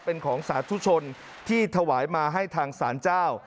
เป็นของสาธุชนที่ถวายมาให้ทางศาลเจ้า